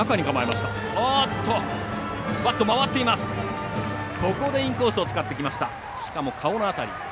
しかも、顔の辺り。